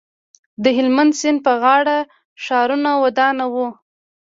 د هلمند سیند په غاړه ښارونه ودان وو